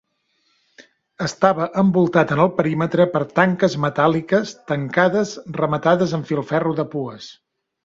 Estava envoltat en el perímetre per tanques metàl·liques tancades rematades amb filferro de pues.